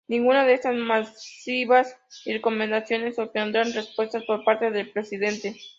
Ninguna de estas misivas y recomendaciones obtendrán respuesta por parte del presidente.